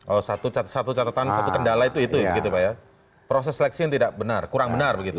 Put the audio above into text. oh satu catatan satu kendala itu itu ya begitu pak ya proses seleksi yang tidak benar kurang benar begitu